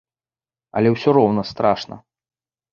Але ўсё роўна страшна.